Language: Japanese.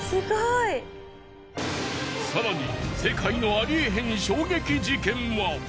更に世界のありえへん衝撃事件は。